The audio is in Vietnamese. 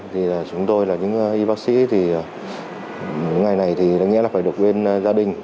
thì chúng tôi là những y bác sĩ thì những ngày này thì đáng nhẽ là phải được quên gia đình